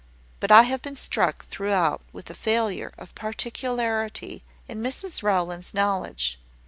But I have been struck throughout with a failure of particularity in Mrs Rowland's knowledge.